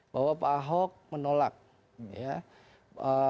bahwa pak ahok menolak kartu indonesia pintar